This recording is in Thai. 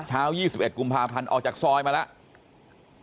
๒๑กุมภาพันธ์ออกจากซอยมาแล้ว